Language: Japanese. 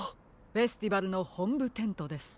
フェスティバルのほんぶテントです。